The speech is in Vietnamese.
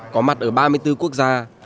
có mặt ở ba mươi bốn quốc gia